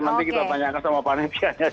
nanti kita tanyakan sama panitian ya